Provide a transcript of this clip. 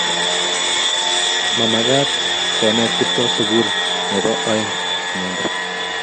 Mamakat konet Kiptoo sukul nebo aeng inendet